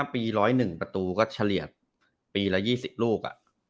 ปี๑๐๑ประตูก็เฉลี่ยปีละ๒๐ลูก